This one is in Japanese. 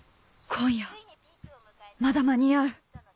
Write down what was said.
今夜まだ間に合う！